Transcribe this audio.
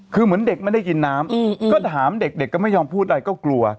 คือเหมือนเด็กไม่ได้กินน้ำก็ถามเด็กก็ไม่ยอมพูดอะไรก็กลัว